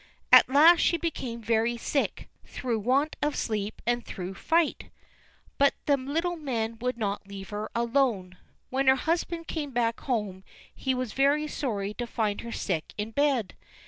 At last she became very sick, through want of sleep and through fright. But the little men would not leave her alone. When her husband came back home he was very sorry to find her sick in bed.